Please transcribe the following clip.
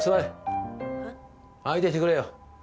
相手してくれよ。